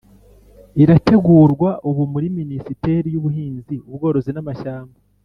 irategurwa ubu muri minisiteri y'ubuhinzi ubworozi n'amashyamba